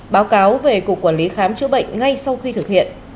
báo cáo về cục quản lý khám chữa bệnh ngay sau khi thực hiện